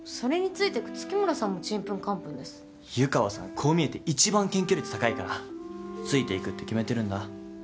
こう見えて一番検挙率高いからついていくって決めてるんだ。